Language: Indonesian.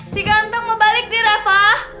si ganteng mau balik nih reva